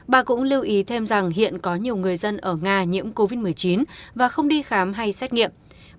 bà cũng lưu ý thêm rằng hiện có nhiều người dân ở nga nhiễm covid một mươi chín và không đi khám hay xét nghiệm